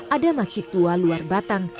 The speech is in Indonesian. ada masjid tua luar batang